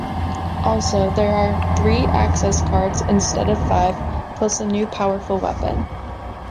Also there are three access cards instead of five plus a new powerful weapon.